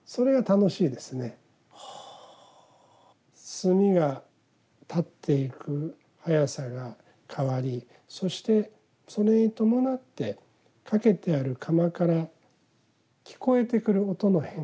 炭がたっていくはやさが変わりそしてそれに伴ってかけてある釜から聞こえてくる音の変化。